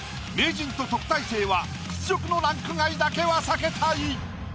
名人と特待生は屈辱のランク外だけは避けたい。